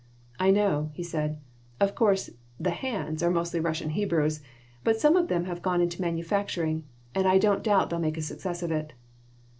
"I know," he said. "Of course, the 'hands' are mostly Russian Hebrews, but some of them have gone into manufacturing, and I don't doubt but they'll make a success of it."